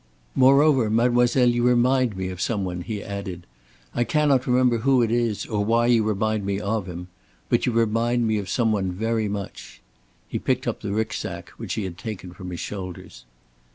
"Moreover, mademoiselle, you remind me of some one," he added. "I cannot remember who it is, or why you remind me of him. But you remind me of some one very much." He picked up the Rücksack which he had taken from his shoulders.